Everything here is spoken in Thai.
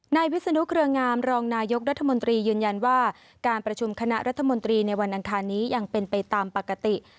วิศนุเครืองามรองนายกรัฐมนตรียืนยันว่าการประชุมคณะรัฐมนตรีในวันอังคารนี้ยังเป็นไปตามปกติ